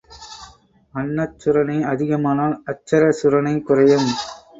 அன்னச் சுரணை அதிகமானால் அட்சர சுரணை குறையும்.